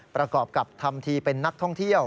ประกอบกับทำทีเป็นนักท่องเที่ยว